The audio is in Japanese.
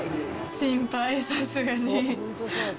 心配、さすがに。